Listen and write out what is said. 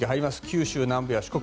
九州南部や四国